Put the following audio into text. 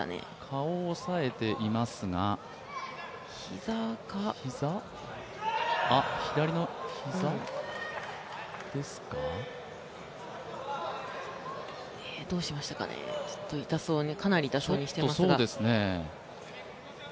顔を押さえていますがどうしましたかね、かなり痛そうにしていますが。